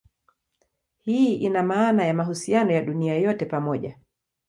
Hii ina maana ya mahusiano ya dunia yote pamoja.